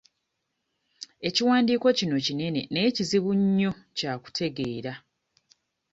Ekiwandiiko kino kinene naye kizibu nnyo kya kutegeera.